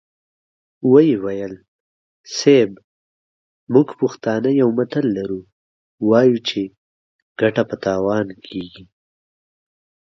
ويې ويل: صيب! موږ پښتانه يو متل لرو، وايو چې ګټه په تاوان کېږي.